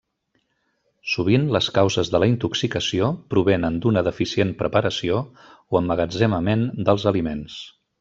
Sovint les causes de la intoxicació provenen d’una deficient preparació o emmagatzemament dels aliments.